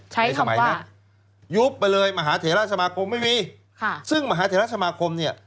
ใช้คำว่ายุบไปเลยมหาเถระสมาคมไม่มีซึ่งมหาเถระสมาคมเนี่ย